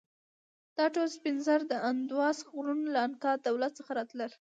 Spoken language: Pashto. دا ټول سپین زر د اندوس غرونو له انکا دولت څخه راتلل.